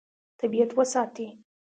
طبیعت وساتي.